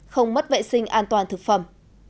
không mất vệ sinh an toàn thực phẩm